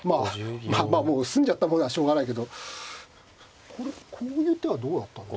まあもう済んじゃったものはしょうがないけどこれこういう手はどうだったんですかね。